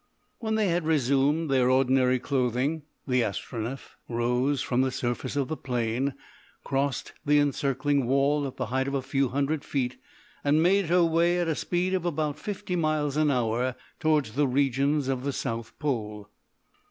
When they had resumed their ordinary clothing the Astronef rose from the surface of the plain, crossed the encircling wall at the height of a few hundred feet, and made her way at a speed of about fifty miles an hour towards the regions of the South Pole.